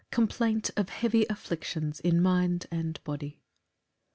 Complaint of heavy afflictions in mind and body.